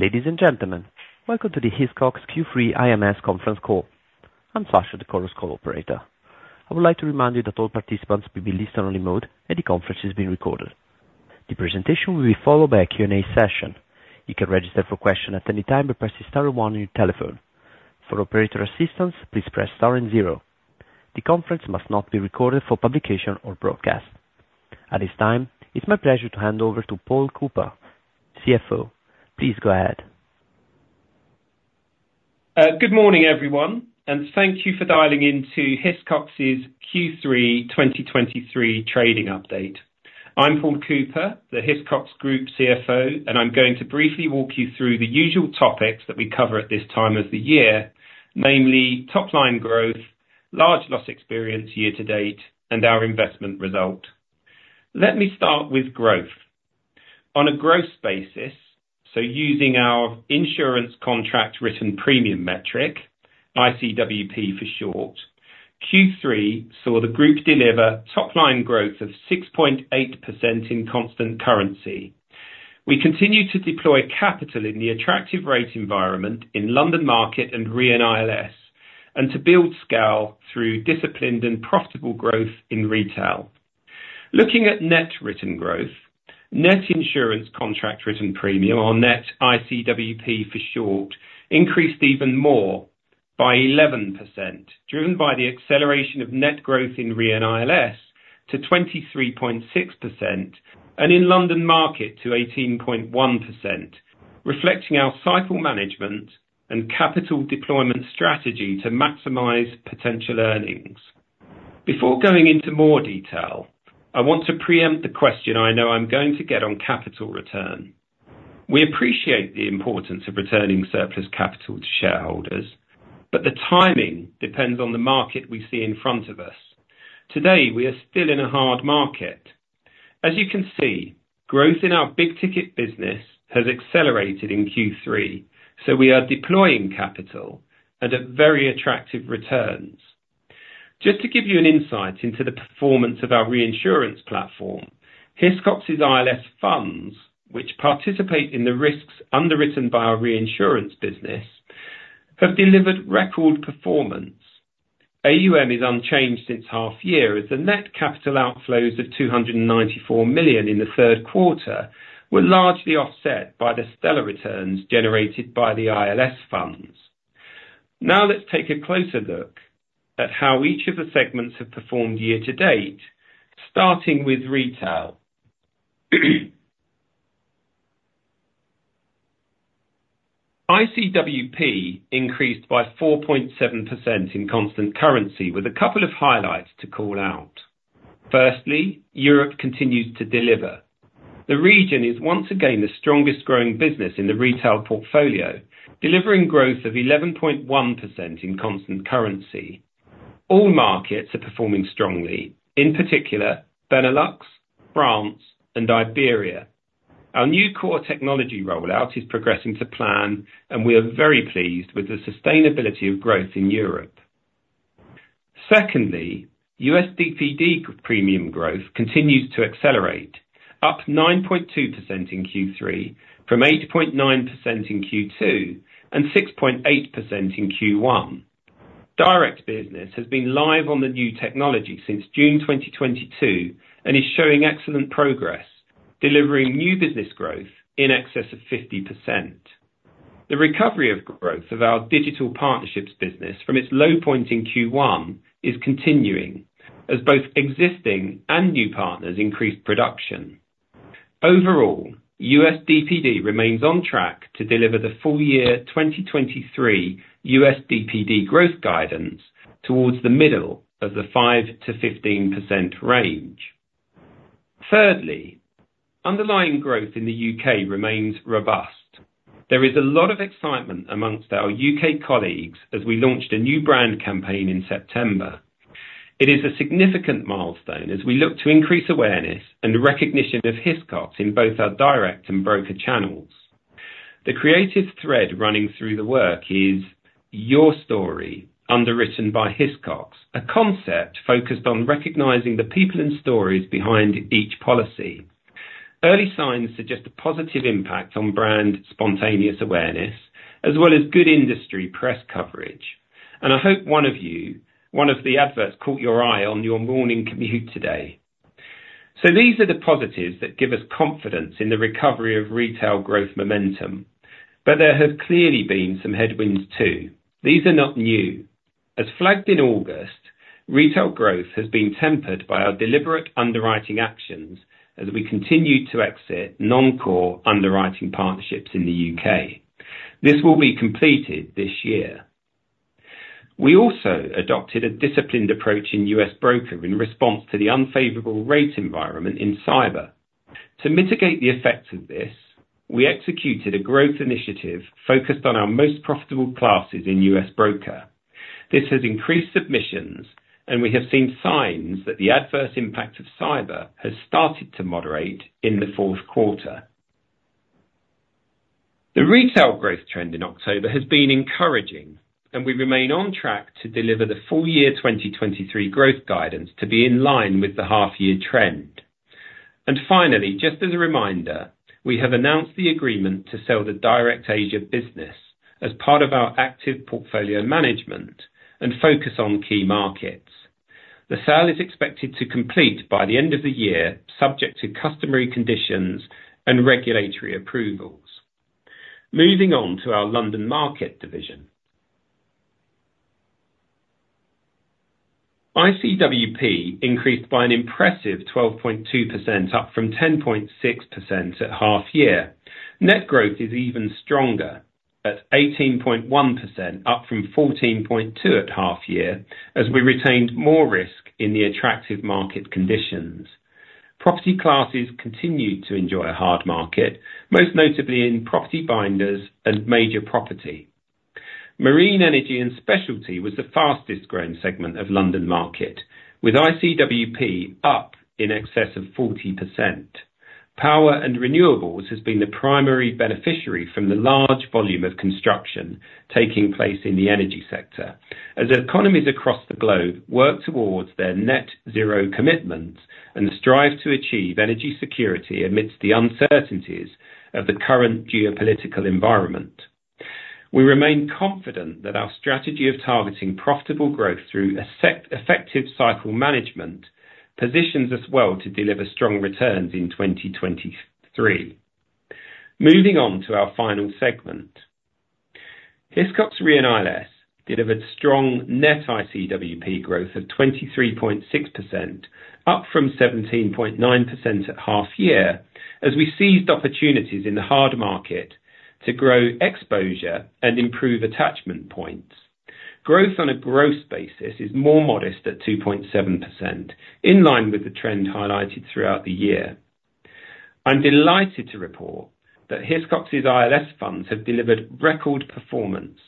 Ladies and gentlemen, welcome to the Hiscox Q3 IMS conference call. I'm Sasha, the Chorus Call operator. I would like to remind you that all participants will be in listen-only mode and the conference is being recorded. The presentation will be followed by a Q&A session. You can register for a question at any time by pressing star one on your telephone. For operator assistance, please press star and zero. The conference must not be recorded for publication or broadcast. At this time, it's my pleasure to hand over to Paul Cooper, CFO. Please go ahead. Good morning, everyone, and thank you for dialing in to Hiscox's Q3 2023 trading update. I'm Paul Cooper, the Hiscox Group CFO, and I'm going to briefly walk you through the usual topics that we cover at this time of the year, mainly top line growth, large loss experience year to date, and our investment result. Let me start with growth. On a growth basis, so using our insurance contract written premium metric, ICWP for short, Q3 saw the group deliver top-line growth of 6.8% in constant currency. We continued to deploy capital in the attractive rate environment in London market and Re & ILS, and to build scale through disciplined and profitable growth in retail. Looking at net written growth, net insurance contract written premium or net ICWP, for short, increased even more by 11%, driven by the acceleration of net growth in Re & ILS to 23.6% and in London Market to 18.1%, reflecting our cycle management and capital deployment strategy to maximize potential earnings. Before going into more detail, I want to preempt the question I know I'm going to get on capital return. We appreciate the importance of returning surplus capital to shareholders, but the timing depends on the market we see in front of us. Today, we are still in a hard market. As you can see, growth in our big ticket business has accelerated in Q3, so we are deploying capital and at very attractive returns. Just to give you an insight into the performance of our reinsurance platform, Hiscox's ILS funds, which participate in the risks underwritten by our reinsurance business, have delivered record performance. AUM is unchanged since half year, as the net capital outflows of $294 million in the third quarter were largely offset by the stellar returns generated by the ILS funds. Now, let's take a closer look at how each of the segments have performed year to date, starting with retail. ICWP increased by 4.7% in constant currency, with a couple of highlights to call out. Firstly, Europe continues to deliver. The region is once again the strongest growing business in the retail portfolio, delivering growth of 11.1% in constant currency. All markets are performing strongly, in particular, Benelux, France and Iberia. Our new core technology rollout is progressing to plan, and we are very pleased with the sustainability of growth in Europe. Secondly, US DPD premium growth continues to accelerate, up 9.2% in Q3, from 8.9% in Q2, and 6.8% in Q1. Direct business has been live on the new technology since June 2022 and is showing excellent progress, delivering new business growth in excess of 50%. The recovery of growth of our digital partnerships business from its low point in Q1 is continuing as both existing and new partners increase production. Overall, US DPD remains on track to deliver the full year 2023 US DPD growth guidance towards the middle of the 5%-15% range. Thirdly, underlying growth in the U.K. remains robust. There is a lot of excitement among our U.K. colleagues as we launched a new brand campaign in September. It is a significant milestone as we look to increase awareness and recognition of Hiscox in both our direct and broker channels. The creative thread running through the work is: Your story, underwritten by Hiscox, a concept focused on recognizing the people and stories behind each policy. Early signs suggest a positive impact on brand spontaneous awareness, as well as good industry press coverage. I hope one of you, one of the adverts caught your eye on your morning commute today. These are the positives that give us confidence in the recovery of retail growth momentum, but there have clearly been some headwinds, too. These are not new. As flagged in August, retail growth has been tempered by our deliberate underwriting actions as we continue to exit non-core underwriting partnerships in the U.K. This will be completed this year. We also adopted a disciplined approach in U.S. Broker in response to the unfavorable rate environment in cyber. To mitigate the effects of this, we executed a growth initiative focused on our most profitable classes in U.S. Broker. This has increased submissions, and we have seen signs that the adverse impact of cyber has started to moderate in the fourth quarter. The retail growth trend in October has been encouraging, and we remain on track to deliver the full year 2023 growth guidance to be in line with the half year trend.... Finally, just as a reminder, we have announced the agreement to sell the DirectAsia business as part of our active portfolio management and focus on key markets. The sale is expected to complete by the end of the year, subject to customary conditions and regulatory approvals. Moving on to our London Market division. ICWP increased by an impressive 12.2%, up from 10.6% at half year. Net growth is even stronger, at 18.1%, up from 14.2 at half year, as we retained more risk in the attractive market conditions. Property classes continued to enjoy a hard market, most notably in property binders and major property. Marine energy and specialty was the fastest growing segment of London Market, with ICWP up in excess of 40%. Power and renewables has been the primary beneficiary from the large volume of construction taking place in the energy sector, as economies across the globe work towards their net zero commitments and strive to achieve energy security amidst the uncertainties of the current geopolitical environment. We remain confident that our strategy of targeting profitable growth through effective cycle management positions us well to deliver strong returns in 2023. Moving on to our final segment. Hiscox Re & ILS delivered strong net ICWP growth of 23.6%, up from 17.9% at half year, as we seized opportunities in the hard market to grow exposure and improve attachment points. Growth on a gross basis is more modest at 2.7%, in line with the trend highlighted throughout the year. I'm delighted to report that Hiscox's ILS funds have delivered record performance,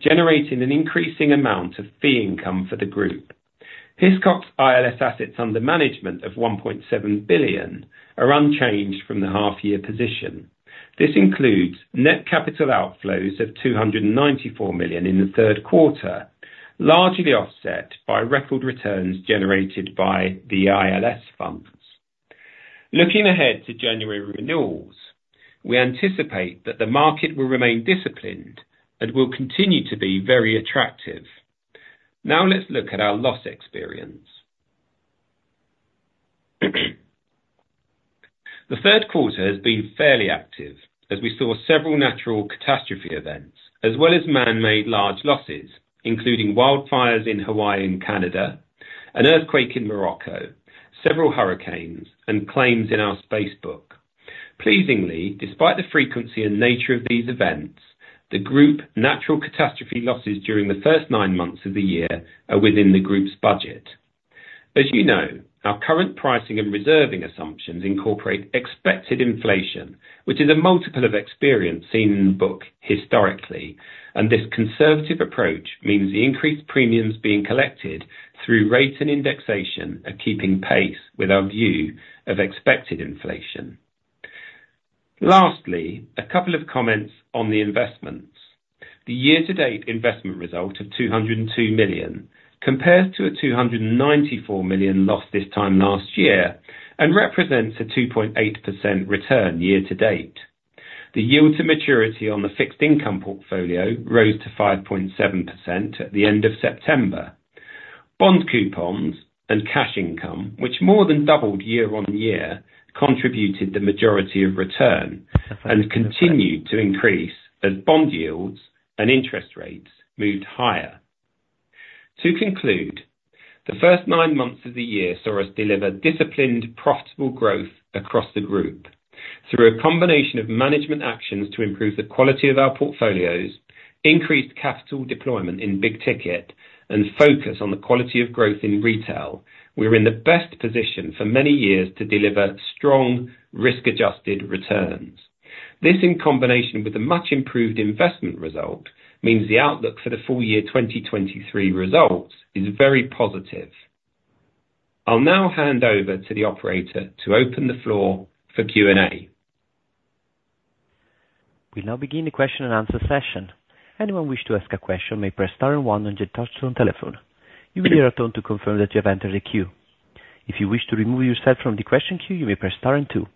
generating an increasing amount of fee income for the group. Hiscox ILS assets under management of $1.7 billion are unchanged from the half year position. This includes net capital outflows of $294 million in the third quarter, largely offset by record returns generated by the ILS funds. Looking ahead to January renewals, we anticipate that the market will remain disciplined and will continue to be very attractive. Now let's look at our loss experience. The third quarter has been fairly active, as we saw several natural catastrophe events as well as man-made large losses, including wildfires in Hawaii and Canada, an earthquake in Morocco, several hurricanes, and claims in our space book. Pleasingly, despite the frequency and nature of these events, the group natural catastrophe losses during the first nine months of the year are within the group's budget. As you know, our current pricing and reserving assumptions incorporate expected inflation, which is a multiple of experience seen in the book historically, and this conservative approach means the increased premiums being collected through rates and indexation are keeping pace with our view of expected inflation. Lastly, a couple of comments on the investments. The year-to-date investment result of 202 million compares to a 294 million loss this time last year and represents a 2.8% return year to date. The yield to maturity on the fixed income portfolio rose to 5.7% at the end of September. Bond coupons and cash income, which more than doubled year-on-year, contributed the majority of return and continued to increase as bond yields and interest rates moved higher. To conclude, the first nine months of the year saw us deliver disciplined, profitable growth across the group through a combination of management actions to improve the quality of our portfolios, increased capital deployment in big ticket, and focus on the quality of growth in retail. We're in the best position for many years to deliver strong risk-adjusted returns. This, in combination with a much improved investment result, means the outlook for the full year 2023 results is very positive. I'll now hand over to the operator to open the floor for Q&A. We now begin the question and answer session. Anyone wish to ask a question may press star and one on your touchtone telephone. You will hear a tone to confirm that you have entered the queue. If you wish to remove yourself from the question queue, you may press star and two.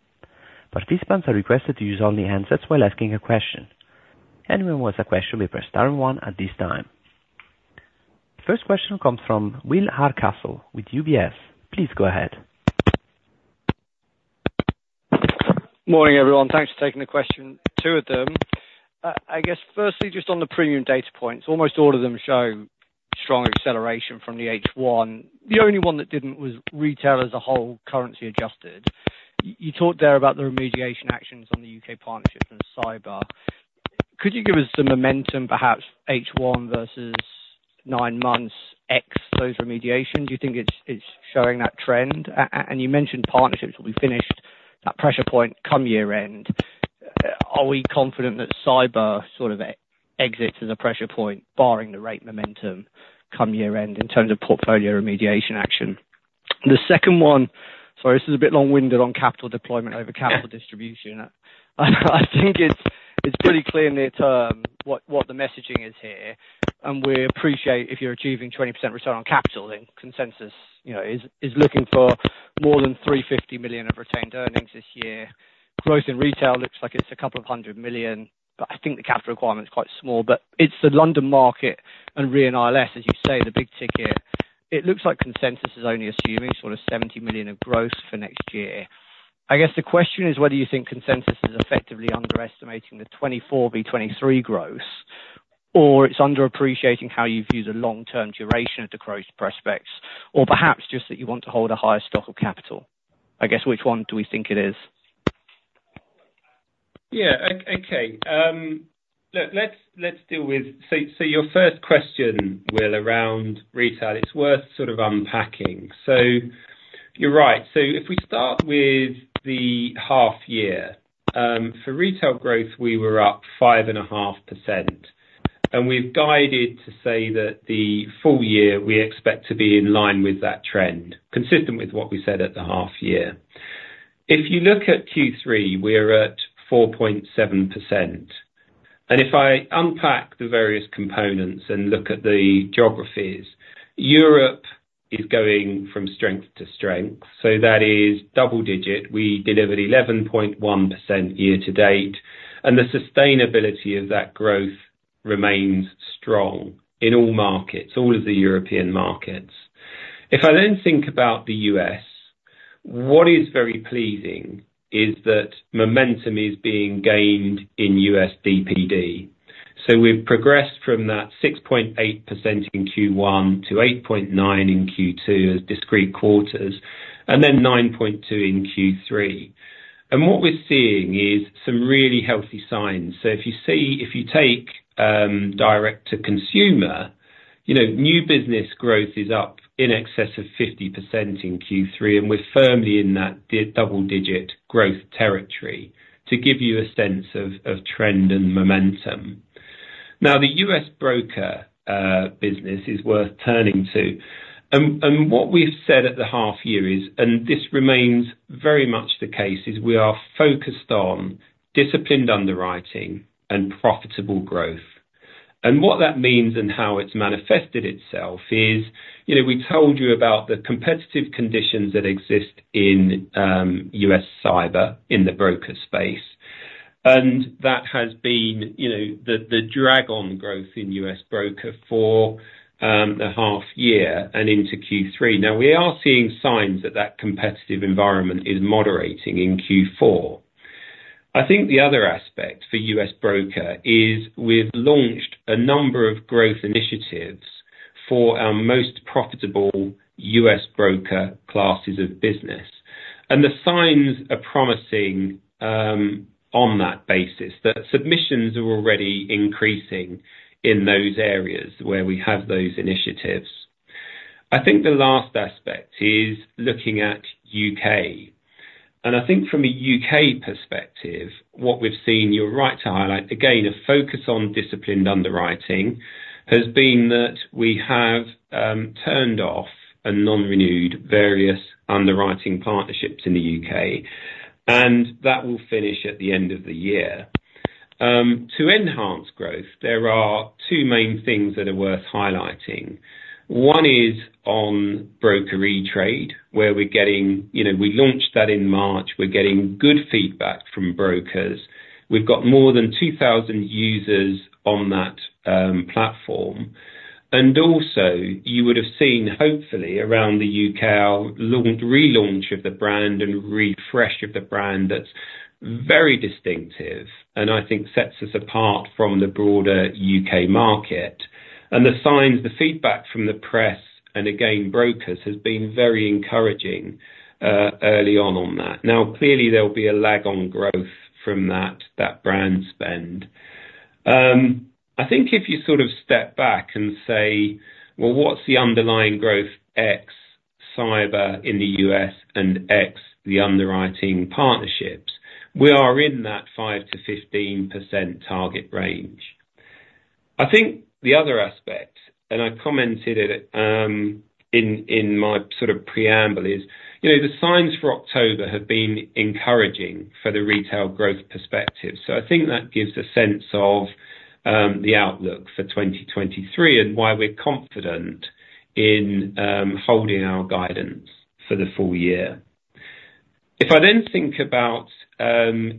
Participants are requested to use only handsets while asking a question. Anyone wants a question, may press star and one at this time. First question comes from Will Hardcastle with UBS. Please go ahead. Morning, everyone. Thanks for taking the question, two of them. I guess firstly, just on the premium data points, almost all of them show strong acceleration from the H1. The only one that didn't was retail as a whole, currency adjusted. You talked there about the remediation actions on the U.K. partnerships and cyber. Could you give us some momentum, perhaps H1 versus nine months, ex those remediations? Do you think it's showing that trend? And you mentioned partnerships will be finished, that pressure point come year end. Are we confident that cyber sort of exits as a pressure point, barring the rate momentum come year end in terms of portfolio remediation action? The second one, sorry, this is a bit long-winded on capital deployment over capital distribution. I think it's-... It's pretty clear near term, what the messaging is here, and we appreciate if you're achieving 20% return on capital, then consensus, you know, is, is looking for more than 350 million of retained earnings this year. Growth in retail looks like it's a couple of hundred million, but I think the capital requirement is quite small. But it's the London market and Re & ILS, as you say, the big ticket. It looks like consensus is only assuming sort of 70 million of growth for next year. I guess the question is whether you think consensus is effectively underestimating the 2024 vs. 2023 growth, or it's underappreciating how you view the long-term duration of the growth prospects, or perhaps just that you want to hold a higher stock of capital? I guess, which one do we think it is? Yeah. Okay. Look, let's deal with... So, your first question, Will, around retail, it's worth sort of unpacking. So you're right. So if we start with the half year, for retail growth, we were up 5.5%, and we've guided to say that the full year, we expect to be in line with that trend, consistent with what we said at the half year. If you look at Q3, we're at 4.7%, and if I unpack the various components and look at the geographies, Europe is going from strength to strength, so that is double-digit. We delivered 11.1% year to date, and the sustainability of that growth remains strong in all markets, all of the European markets. If I then think about the U.S., what is very pleasing is that momentum is being gained in US DPD. So we've progressed from that 6.8% in Q1 to 8.9% in Q2 as discrete quarters, and then 9.2% in Q3. And what we're seeing is some really healthy signs. So if you see, if you take, direct to consumer, you know, new business growth is up in excess of 50% in Q3, and we're firmly in that double digit growth territory, to give you a sense of trend and momentum. Now, the U.S. broker business is worth turning to. And what we've said at the half year is, and this remains very much the case, is we are focused on disciplined underwriting and profitable growth. And what that means and how it's manifested itself is, you know, we told you about the competitive conditions that exist in U.S. cyber, in the broker space. And that has been, you know, the drag on growth in U.S. broker for a half year and into Q3. Now, we are seeing signs that that competitive environment is moderating in Q4. I think the other aspect for U.S. broker is we've launched a number of growth initiatives for our most profitable U.S. broker classes of business, and the signs are promising on that basis. The submissions are already increasing in those areas where we have those initiatives. I think the last aspect is looking at U.K. I think from a U.K. perspective, what we've seen, you're right to highlight, again, a focus on disciplined underwriting, has been that we have turned off and non-renewed various underwriting partnerships in the U.K., and that will finish at the end of the year. To enhance growth, there are two main things that are worth highlighting. One is on broker eTrade, where we're getting you know, we launched that in March. We're getting good feedback from brokers. We've got more than 2,000 users on that platform. And also, you would have seen, hopefully, around the U.K., our launch-relaunch of the brand and refresh of the brand, that's very distinctive, and I think sets us apart from the broader U.K.market. And the signs, the feedback from the press and again, brokers, has been very encouraging early on that. Now, clearly, there will be a lag on growth from that brand spend. I think if you sort of step back and say, well, what's the underlying growth ex cyber in the U.S. and ex the underwriting partnerships? We are in that 5%-15% target range. I think the other aspect, and I commented it in my sort of preamble, is, you know, the signs for October have been encouraging for the retail growth perspective. So I think that gives a sense of the outlook for 2023 and why we're confident in holding our guidance for the full year. If I then think about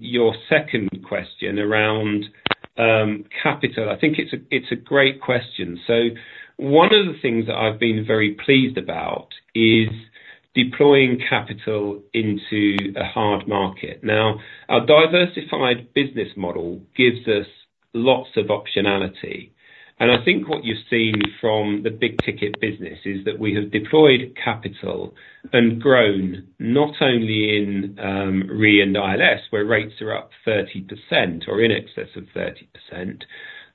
your second question around capital, I think it's a great question. So one of the things that I've been very pleased about is deploying capital into a hard market. Now, our diversified business model gives us lots of optionality, and I think what you've seen from the big ticket business is that we have deployed capital and grown not only in Re & ILS, where rates are up 30% or in excess of 30%.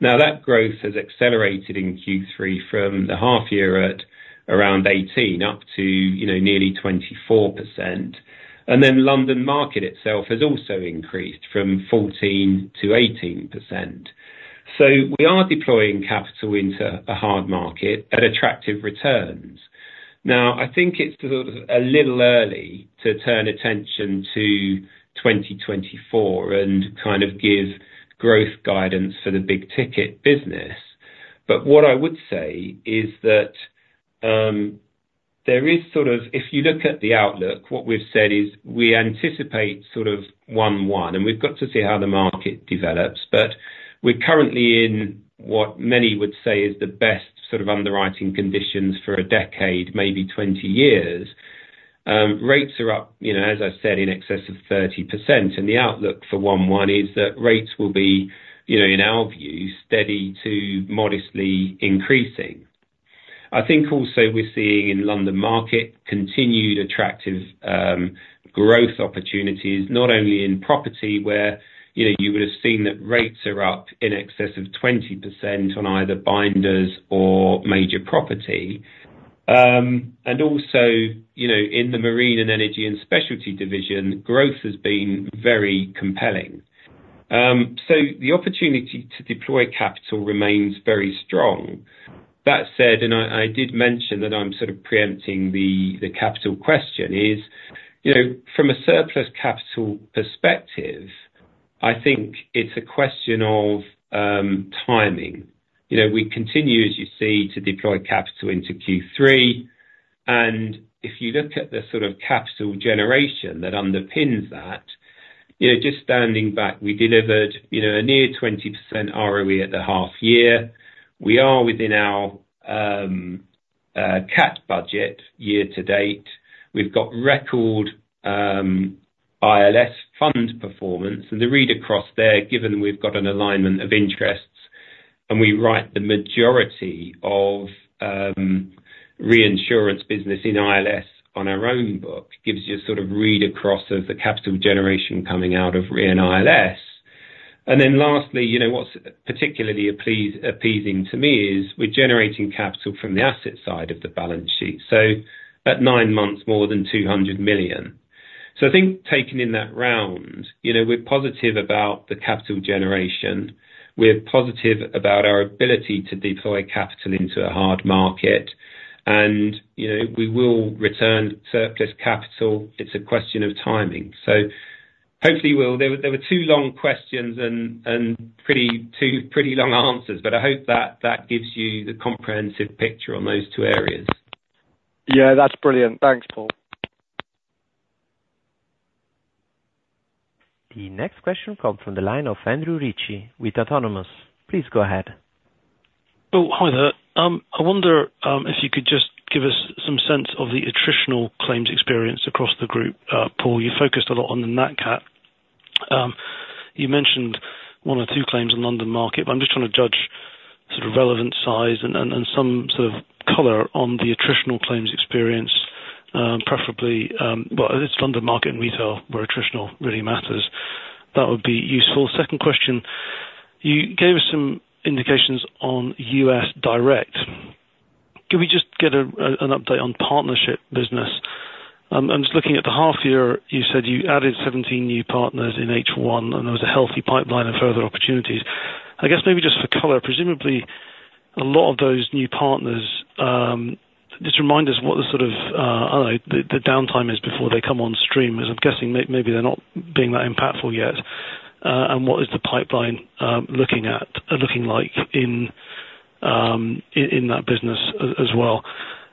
Now, that growth has accelerated in Q3 from the half year at around 18 up to, you know, nearly 24%. And then London market itself has also increased from 14% to 18%. So we are deploying capital into a hard market at attractive returns.... Now, I think it's sort of a little early to turn attention to 2024 and kind of give growth guidance for the big ticket business. But what I would say is that, there is sort of, if you look at the outlook, what we've said is we anticipate, and we've got to see how the market develops. But we're currently in what many would say is the best sort of underwriting conditions for a decade, maybe 20 years. Rates are up, you know, as I've said, in excess of 30%, and the outlook is that rates will be, you know, in our view, steady to modestly increasing. I think also we're seeing in London Market, continued attractive growth opportunities, not only in property where, you know, you would have seen that rates are up in excess of 20% on either binders or major property. And also, you know, in the marine and energy and specialty division, growth has been very compelling. So the opportunity to deploy capital remains very strong. That said, and I did mention that I'm sort of preempting the capital question is: you know, from a surplus capital perspective, I think it's a question of timing. You know, we continue, as you see, to deploy capital into Q3, and if you look at the sort of capital generation that underpins that, you know, just standing back, we delivered, you know, a near 20% ROE at the half year. We are within our cat budget year to date. We've got record ILS fund performance, and the read across there, given we've got an alignment of interests, and we write the majority of reinsurance business in ILS on our own book, gives you a sort of read across of the capital generation coming out of Re & ILS. Then lastly, you know, what's particularly appeasing to me is we're generating capital from the asset side of the balance sheet, so at nine months, more than 200 million. So I think taking in that round, you know, we're positive about the capital generation. We're positive about our ability to deploy capital into a hard market, and, you know, we will return surplus capital. It's a question of timing. So hopefully we'll... There were two long questions and two pretty long answers, but I hope that that gives you the comprehensive picture on those two areas. Yeah, that's brilliant. Thanks, Paul. The next question comes from the line of Andrew Ritchie with Autonomous. Please go ahead. Oh, hi there. I wonder if you could just give us some sense of the attritional claims experience across the group. Paul, you focused a lot on the Nat Cat. You mentioned one or two claims in London Market, but I'm just trying to judge sort of relevant size and some sort of color on the attritional claims experience, preferably, well, it's London Market and retail, where attritional really matters. That would be useful. Second question, you gave us some indications on US Direct. Can we just get an update on partnership business? I'm just looking at the half year, you said you added 17 new partners in H1, and there was a healthy pipeline of further opportunities. I guess maybe just for color, presumably a lot of those new partners, just remind us what the sort of, the downtime is before they come on stream, as I'm guessing maybe they're not being that impactful yet. And what is the pipeline, looking like in that business as well?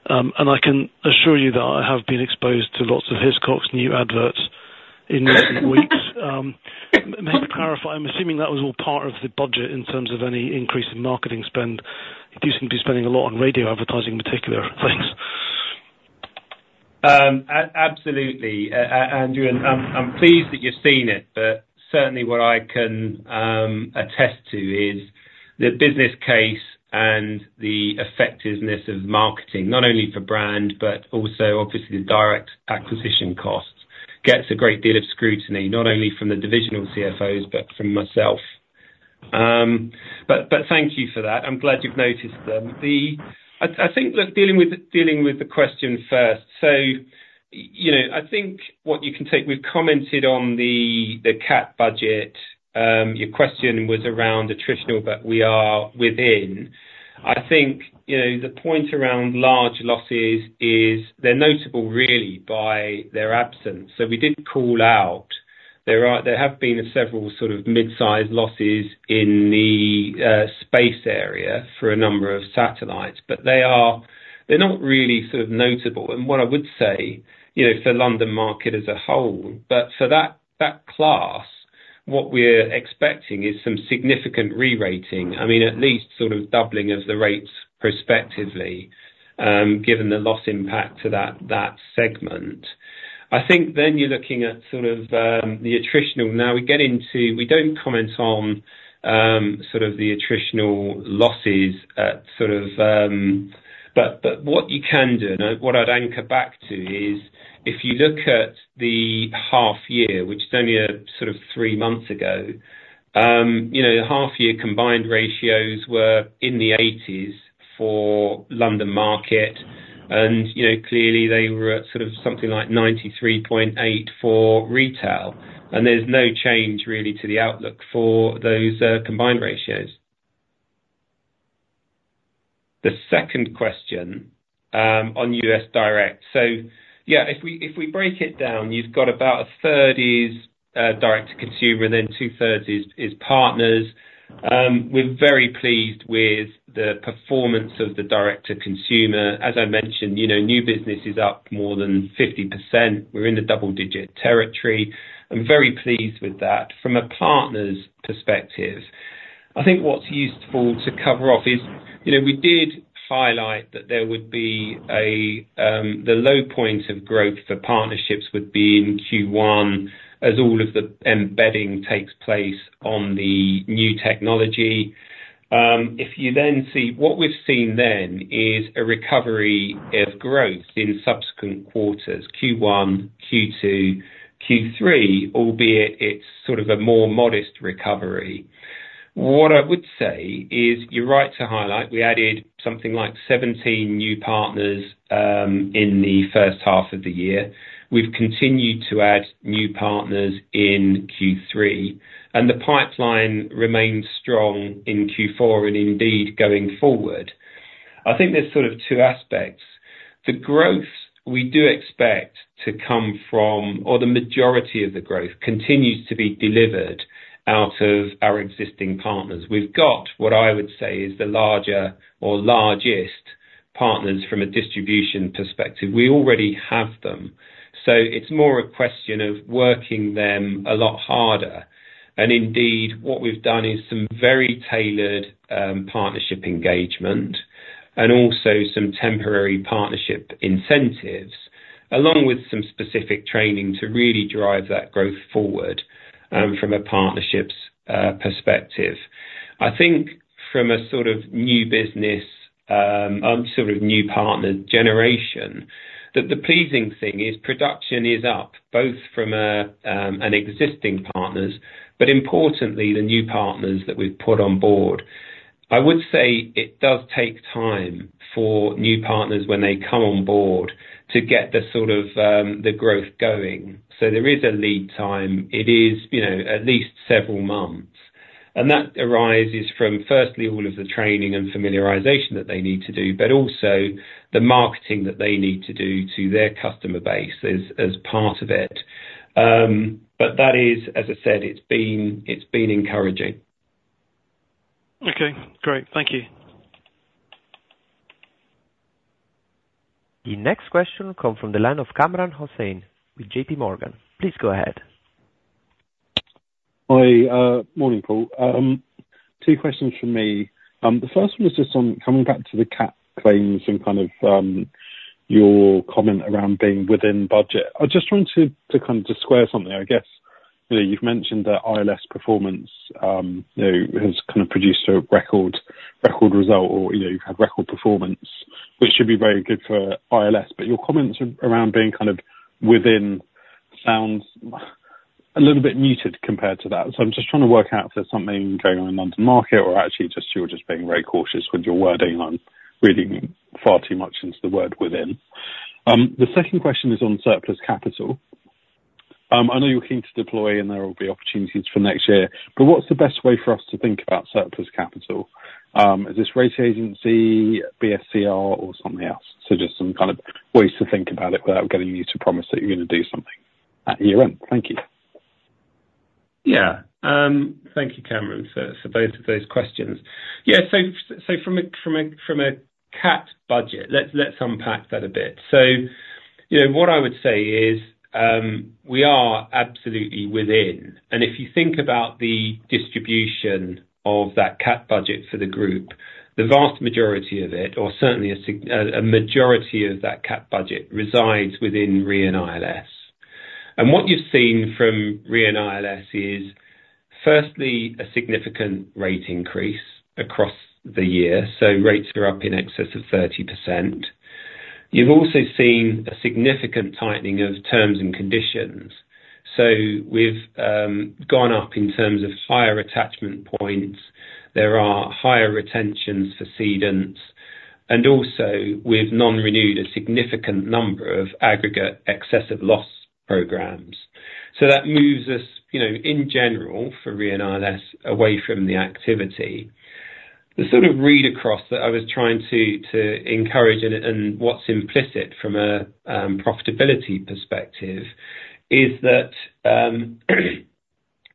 And I can assure you that I have been exposed to lots of Hiscox new adverts in recent weeks. Maybe to clarify, I'm assuming that was all part of the budget in terms of any increase in marketing spend. You seem to be spending a lot on radio advertising, in particular. Thanks. Absolutely. Andrew, I'm pleased that you've seen it, but certainly what I can attest to is the business case and the effectiveness of marketing, not only for brand, but also obviously the direct acquisition costs, gets a great deal of scrutiny, not only from the divisional CFOs, but from myself. But thank you for that. I'm glad you've noticed them. I think, dealing with the question first. So, you know, I think what you can take, we've commented on the cat budget. Your question was around attritional, but we are within. I think, you know, the point around large losses is they're notable really by their absence. So we didn't call out. There are - there have been several sort of mid-sized losses in the space area for a number of satellites, but they are... They're not really sort of notable. And what I would say, you know, for London Market as a whole, but for that, that class, what we're expecting is some significant re-rating. I mean, at least sort of doubling of the rates prospectively, given the loss impact to that, that segment. I think then you're looking at sort of, the attritional. Now, we get into. We don't comment on, sort of the attritional losses at sort of. But what you can do, and what I'd anchor back to is, if you look at the half year, which is only a sort of three months ago, you know, the half year combined ratios were in the eighties for London Market. You know, clearly they were at sort of something like 93.8 for retail, and there's no change really to the outlook for those combined ratios. The second question on U.S. direct. So, yeah, if we, if we break it down, you've got about a third is direct to consumer, and then 2/3 is partners. We're very pleased with the performance of the direct to consumer. As I mentioned, you know, new business is up more than 50%. We're in the double digit territory. I'm very pleased with that. From a partners perspective, I think what's useful to cover off is, you know, we did highlight that there would be a the low point of growth for partnerships would be in Q1, as all of the embedding takes place on the new technology. If you then see what we've seen then is a recovery of growth in subsequent quarters, Q1, Q2, Q3, albeit it's sort of a more modest recovery. What I would say is, you're right to highlight, we added something like 17 new partners in the first half of the year. We've continued to add new partners in Q3, and the pipeline remains strong in Q4, and indeed, going forward. I think there's sort of two aspects. The growth we do expect to come from, or the majority of the growth, continues to be delivered out of our existing partners. We've got, what I would say, is the larger or largest partners from a distribution perspective. We already have them, so it's more a question of working them a lot harder. Indeed, what we've done is some very tailored partnership engagement and also some temporary partnership incentives, along with some specific training to really drive that growth forward, from a partnerships perspective. I think from a sort of new business sort of new partner generation, that the pleasing thing is production is up, both from an existing partners, but importantly, the new partners that we've put on board. I would say it does take time for new partners when they come on board, to get the sort of the growth going. So there is a lead time. It is, you know, at least several months. And that arises from, firstly, all of the training and familiarization that they need to do, but also the marketing that they need to do to their customer base as part of it. But that is, as I said, it's been encouraging. Okay, great. Thank you. The next question comes from the line of Kamran Hossain with JP Morgan. Please go ahead. Hi. Morning, Paul. Two questions from me. The first one is just on coming back to the cat claims and kind of your comment around being within budget. I just wanted to, kind of, just square something, I guess. You know, you've mentioned that ILS performance, you know, has kind of produced a record result or, you know, you've had record performance, which should be very good for ILS. But your comments around being kind of within sounds a little bit muted compared to that. So I'm just trying to work out if there's something going on in the market, or actually just you're just being very cautious with your wording. I'm reading far too much into the word within. The second question is on surplus capital. I know you're keen to deploy and there will be opportunities for next year, but what's the best way for us to think about surplus capital? Is this rating agency, BSCR or something else? So just some kind of ways to think about it without getting you to promise that you're going to do something at year-end. Thank you. Yeah. Thank you, Kamran, for both of those questions. Yeah, so from a cat budget, let's unpack that a bit. So, you know, what I would say is, we are absolutely within. And if you think about the distribution of that cat budget for the group, the vast majority of it, or certainly a significant majority of that cat budget, resides within Re & ILS. And what you've seen from Re & ILS is, firstly, a significant rate increase across the year, so rates are up in excess of 30%. You've also seen a significant tightening of terms and conditions. So we've gone up in terms of higher attachment points. There are higher retentions for cedants, and also we've non-renewed a significant number of aggregate excessive loss programs. So that moves us, you know, in general, for Re & ILS, away from the activity. The sort of read across that I was trying to encourage and what's implicit from a profitability perspective is that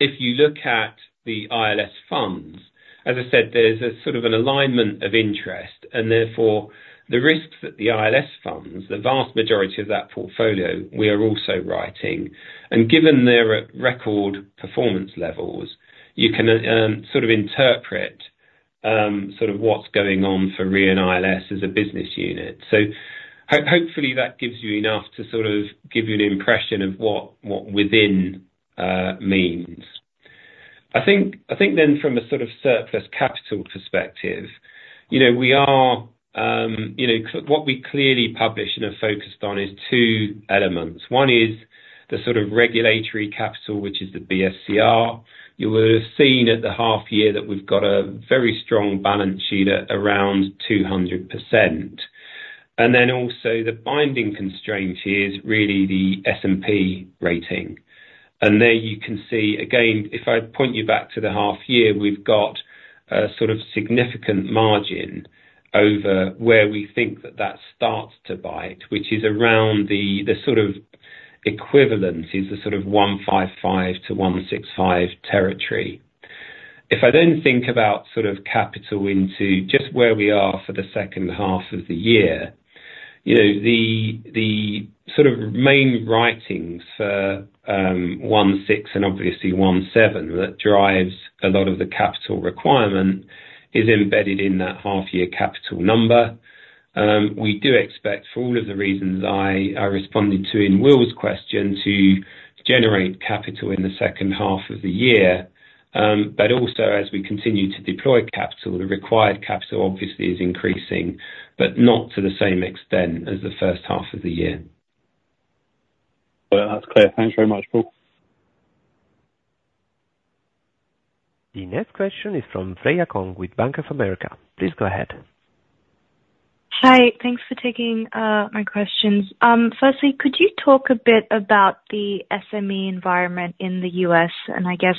if you look at the ILS funds, as I said, there's a sort of an alignment of interest, and therefore, the risks that the ILS funds, the vast majority of that portfolio, we are also writing. And given their record performance levels, you can sort of interpret sort of what's going on for Re & ILS as a business unit. So hopefully that gives you enough to sort of give you an impression of what within means. I think, I think then from a sort of surplus capital perspective, you know, we are, you know, so what we clearly publish and are focused on is two elements. One is the sort of regulatory capital, which is the BFCR. You will have seen at the half year that we've got a very strong balance sheet at around 200%.... And then also the binding constraint here is really the S&P rating. And there you can see, again, if I point you back to the half year, we've got a sort of significant margin over where we think that that starts to bite, which is around the, the sort of equivalent, is the sort of 155-165 territory. If I then think about sort of capital into just where we are for the second half of the year, you know, the, the sort of main writings for, 16 and obviously 17, that drives a lot of the capital requirement, is embedded in that half year capital number. We do expect, for all of the reasons I, I responded to in Will's question, to generate capital in the second half of the year. But also, as we continue to deploy capital, the required capital obviously is increasing, but not to the same extent as the first half of the year. Well, that's clear. Thanks very much, Paul. The next question is from Freya Kong with Bank of America. Please go ahead. Hi. Thanks for taking my questions. Firstly, could you talk a bit about the SME environment in the US and I guess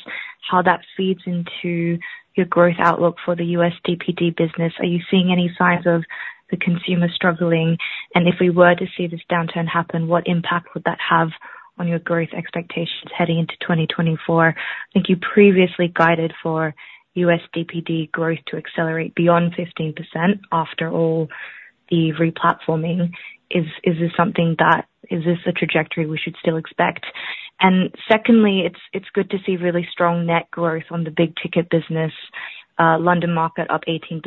how that feeds into your growth outlook for the US DPD business? Are you seeing any signs of the consumer struggling? And if we were to see this downturn happen, what impact would that have on your growth expectations heading into 2024? I think you previously guided for US DPD growth to accelerate beyond 15% after all the replatforming. Is this a trajectory we should still expect? And secondly, it's good to see really strong net growth on the big ticket business, London market up 18%,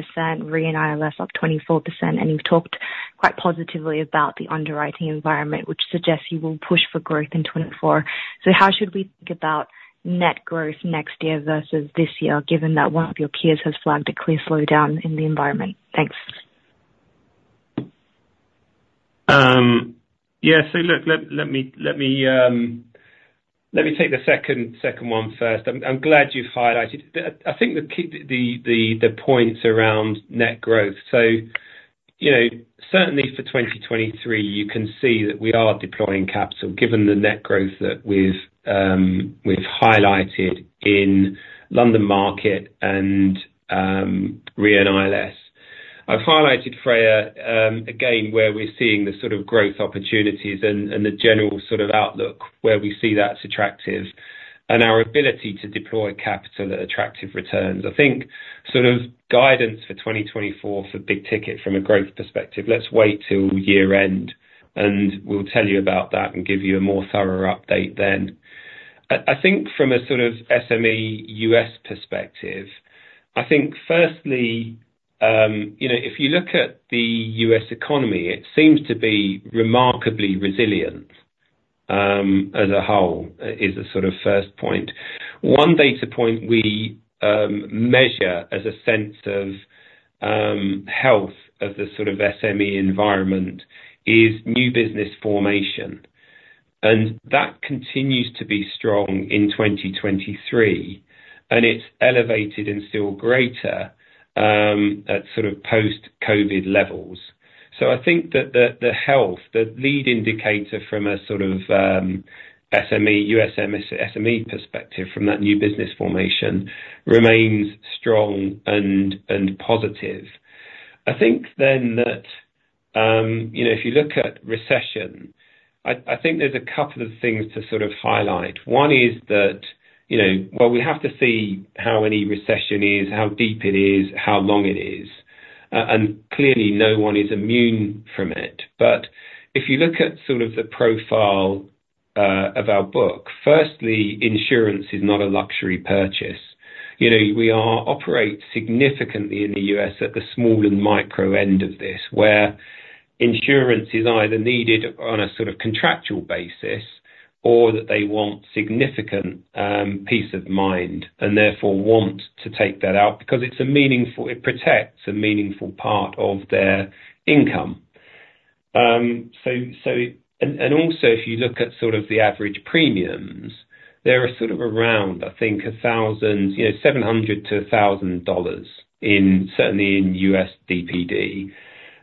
Re & ILS up 24%. And you've talked quite positively about the underwriting environment, which suggests you will push for growth in 2024. So how should we think about net growth next year versus this year, given that one of your peers has flagged a clear slowdown in the environment? Thanks. Yeah, so look, let me take the second one first. I'm glad you've highlighted... I think the key points around net growth. So, you know, certainly for 2023, you can see that we are deploying capital, given the net growth that we've highlighted in London Market and Re & ILS. I've highlighted, Freya, again, where we're seeing the sort of growth opportunities and the general sort of outlook where we see that's attractive, and our ability to deploy capital at attractive returns. I think sort of guidance for 2024 for big ticket from a growth perspective, let's wait till year end, and we'll tell you about that and give you a more thorough update then. I think from a sort of SME U.S. perspective, I think firstly, you know, if you look at the U.S. economy, it seems to be remarkably resilient, as a whole, is a sort of first point. One data point we measure as a sense of health of the sort of SME environment is new business formation, and that continues to be strong in 2023, and it's elevated and still greater, at sort of post-COVID levels. So I think that the health, the lead indicator from a sort of SME U.S. SME perspective from that new business formation, remains strong and positive. I think then that, you know, if you look at recession, I think there's a couple of things to sort of highlight. One is that, you know, while we have to see how any recession is, how deep it is, how long it is, and clearly no one is immune from it. But if you look at sort of the profile of our book, firstly, insurance is not a luxury purchase. You know, we are—operate significantly in the U.S. at the small and micro end of this, where insurance is either needed on a sort of contractual basis or that they want significant peace of mind and therefore want to take that out because it's a meaningful—it protects a meaningful part of their income. So, and also if you look at sort of the average premiums, they're sort of around, I think, $1,000, you know, $700-$1,000 in, certainly in US DPD.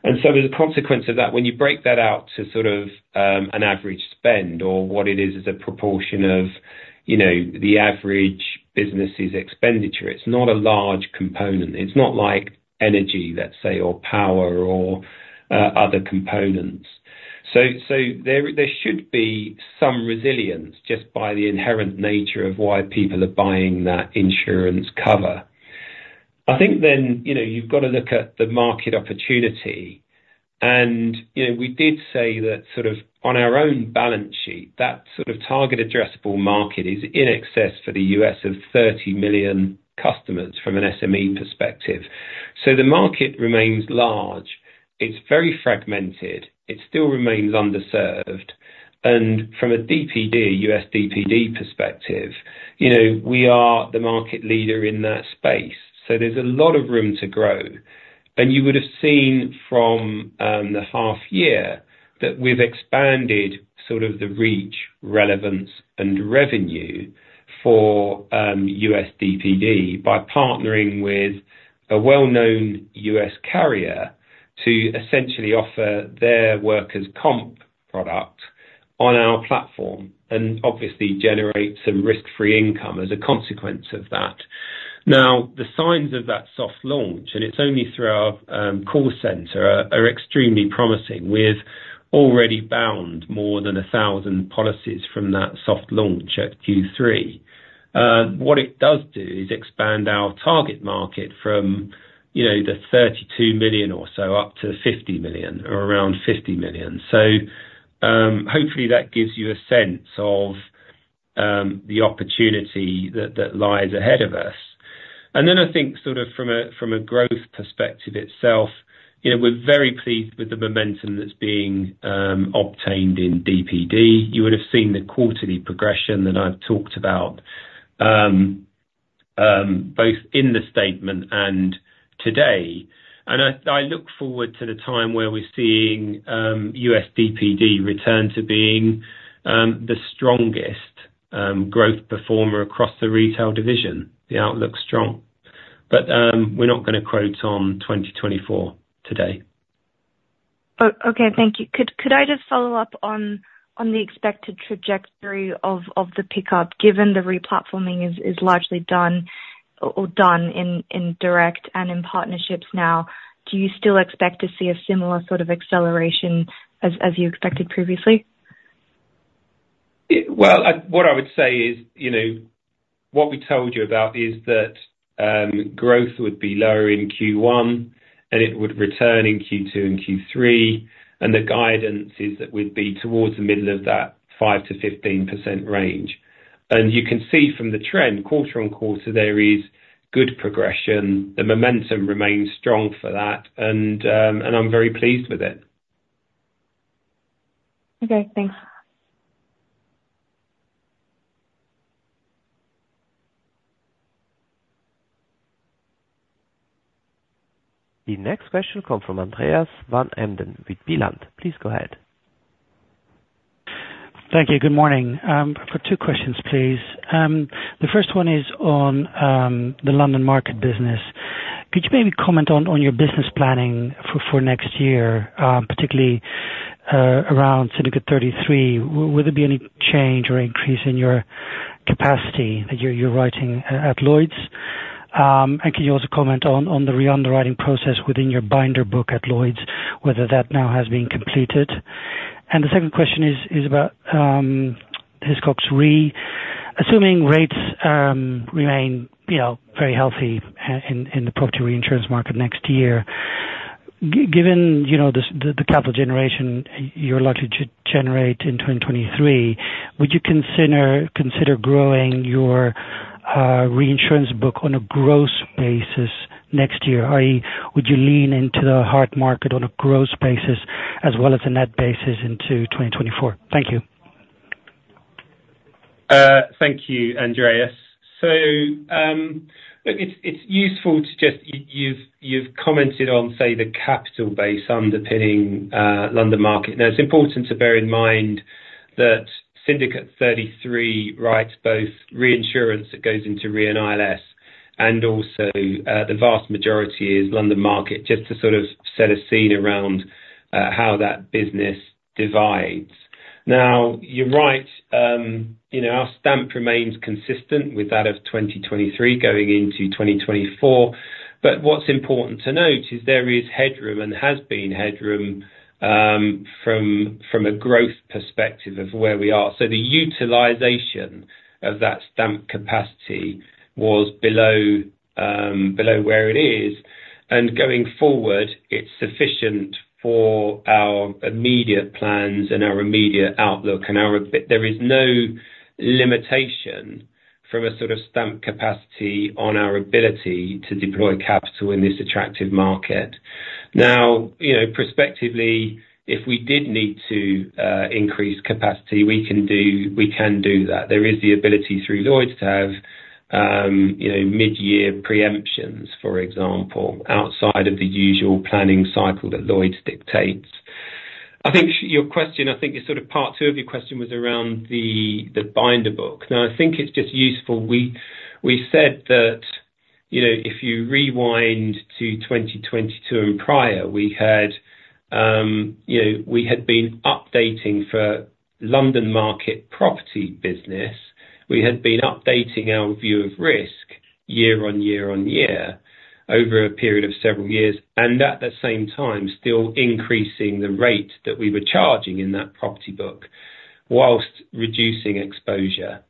So as a consequence of that, when you break that out to sort of, an average spend or what it is as a proportion of, you know, the average business's expenditure, it's not a large component. It's not like energy, let's say, or power or, other components. So there should be some resilience just by the inherent nature of why people are buying that insurance cover. I think then, you know, you've got to look at the market opportunity, and, you know, we did say that sort of on our own balance sheet, that sort of target addressable market is in excess for the U.S. of 30 million customers from an SME perspective. So the market remains large, it's very fragmented, it still remains underserved, and from a DPD, US DPD perspective, you know, we are the market leader in that space. So there's a lot of room to grow. And you would have seen from the half year that we've expanded sort of the reach, relevance, and revenue for USDPD by partnering with a well-known U.S. carrier to essentially offer their workers' comp product on our platform, and obviously generate some risk-free income as a consequence of that. Now, the signs of that soft launch, and it's only through our call center, are extremely promising. We've already bound more than 1,000 policies from that soft launch at Q3. What it does do is expand our target market from, you know, the 32 million or so up to 50 million, or around 50 million. So, hopefully that gives you a sense of the opportunity that lies ahead of us. And then I think sort of from a growth perspective itself, you know, we're very pleased with the momentum that's being obtained in DPD. You would have seen the quarterly progression that I've talked about both in the statement and today. And I look forward to the time where we're seeing US DPD return to being the strongest growth performer across the retail division. The outlook's strong. But we're not gonna quote on 2024 today. Okay, thank you. Could I just follow up on the expected trajectory of the pickup, given the replatforming is largely done, or done in direct and in partnerships now? Do you still expect to see a similar sort of acceleration as you expected previously? Well, what I would say is, you know, what we told you about is that growth would be lower in Q1, and it would return in Q2 and Q3. And the guidance is that we'd be towards the middle of that 5%-15% range. And you can see from the trend, quarter-on-quarter, there is good progression. The momentum remains strong for that, and I'm very pleased with it. Okay, thanks. The next question comes from Andreas van Embden with Peel Hunt. Please go ahead. Thank you, good morning. For two questions, please. The first one is on the London Market business. Could you maybe comment on your business planning for next year, particularly around Syndicate 33? Would there be any change or increase in your capacity that you're writing at Lloyd's? And can you also comment on the reunderwriting process within your binder book at Lloyd's, whether that now has been completed? The second question is about Hiscox Re. Assuming rates remain, you know, very healthy in the property reinsurance market next year, given, you know, the capital generation you're likely to generate in 2023, would you consider growing your reinsurance book on a gross basis next year? i.e., would you lean into the hard market on a gross basis as well as a net basis into 2024? Thank you. Thank you, Andreas. So, look, it's useful to just you've commented on, say, the capital base underpinning London Market. Now, it's important to bear in mind that Syndicate 33 writes both reinsurance that goes into Re & ILS, and also, the vast majority is London Market, just to sort of set a scene around how that business divides. Now, you're right, you know, our stamp remains consistent with that of 2023 going into 2024, but what's important to note is there is headroom and has been headroom, from a growth perspective of where we are. So the utilization of that stamp capacity was below where it is, and going forward, it's sufficient for our immediate plans and our immediate outlook. And there is no limitation from a sort of stamp capacity on our ability to deploy capital in this attractive market. Now, you know, prospectively, if we did need to increase capacity, we can do, we can do that. There is the ability through Lloyd's to have, you know, midyear preemptions, for example, outside of the usual planning cycle that Lloyd's dictates. I think your question, I think is sort of part two of your question was around the, the binder book. Now, I think it's just useful. We, we said that, you know, if you rewind to 2022 and prior, we had, you know, we had been updating for London Market property business. We had been updating our view of risk year on year on year, over a period of several years, and at the same time, still increasing the rate that we were charging in that property book, while reducing exposure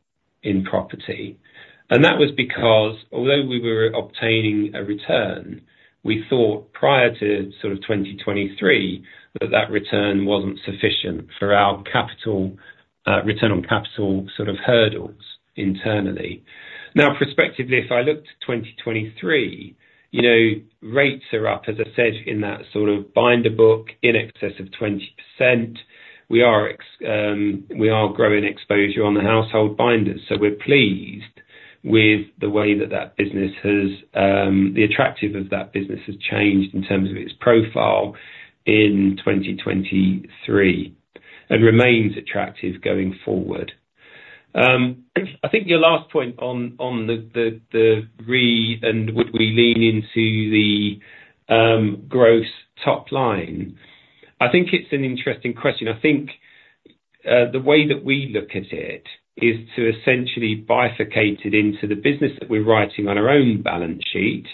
in property. That was because although we were obtaining a return, we thought prior to sort of 2023, that that return wasn't sufficient for our capital, return on capital sort of hurdles internally. Now, prospectively, if I look to 2023, you know, rates are up, as I said, in that sort of binder book, in excess of 20%. We are growing exposure on the household binders, so we're pleased with the way that that business has, the attractiveness of that business has changed in terms of its profile in 2023, and remains attractive going forward. I think your last point on the Re and would we lean into the growth top line? I think it's an interesting question. I think the way that we look at it is to essentially bifurcate it into the business that we're writing on our own balance sheet,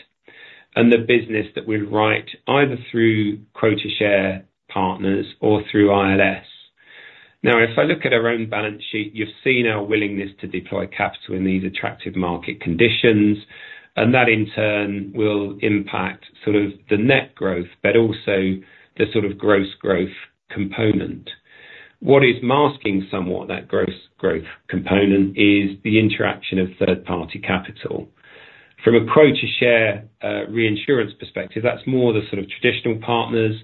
and the business that we write either through quota share partners or through ILS. Now, if I look at our own balance sheet, you've seen our willingness to deploy capital in these attractive market conditions, and that in turn will impact sort of the net growth, but also the sort of gross growth component. What is masking somewhat that gross growth component is the interaction of third party capital. From a quota share reinsurance perspective, that's more the sort of traditional partners.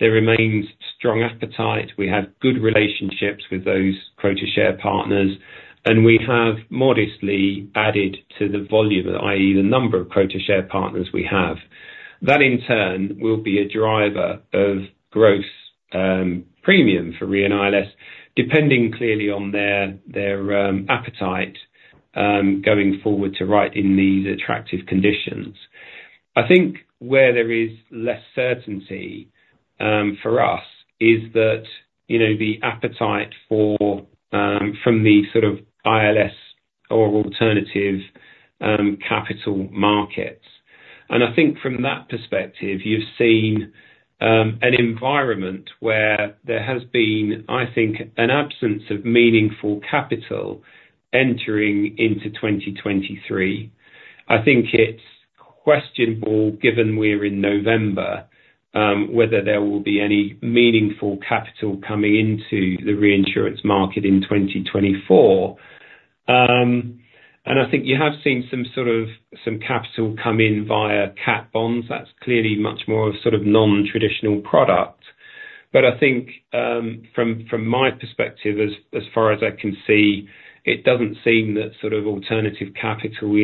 There remains strong appetite. We have good relationships with those quota share partners, and we have modestly added to the volume, i.e., the number of quota share partners we have. That in turn will be a driver of gross premium for Re & ILS, depending clearly on their appetite going forward to write in these attractive conditions. I think where there is less certainty for us is that, you know, the appetite for from the sort of ILS or alternative capital markets. And I think from that perspective, you've seen an environment where there has been, I think, an absence of meaningful capital entering into 2023. I think it's questionable, given we're in November, whether there will be any meaningful capital coming into the reinsurance market in 2024. And I think you have seen some sort of, some capital come in via cat bonds. That's clearly much more a sort of non-traditional product. But I think, from my perspective, as far as I can see, it doesn't seem that sort of alternative capital